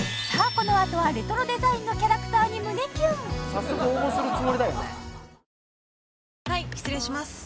このあとはレトロデザインのキャラクターに胸キュン「別冊！ブランチ